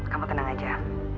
kamu tenang aja